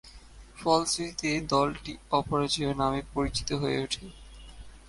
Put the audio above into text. ফলশ্রুতিতে, দলটি ‘অপরাজেয়’ নামে পরিচিত হয়ে উঠে।